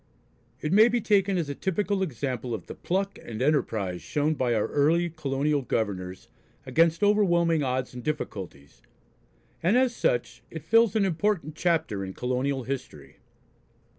It may be taken as a typical example of the pluck and enterprise shown by our early colonial governors against overwhelming odds and difficulties, and as such it fills an important chapter in colonial history.